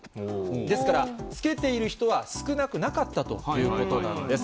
ですから、つけている人は少なくなかったということなんです。